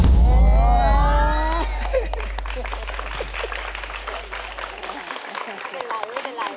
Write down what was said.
เป็นอะไรไม่เป็นไร